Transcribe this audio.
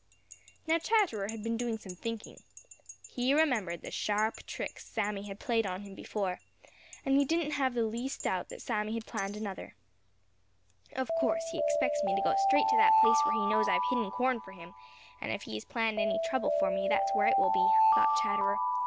Now Chatterer had been doing some quick thinking. He remembered the sharp tricks Sammy had played on him before, and he didn't have the least doubt that Sammy had planned another. "Of course, he expects me to go straight to that place where he knows I have hidden corn for him, and if he has planned any trouble for me, that is where it will be," thought Chatterer.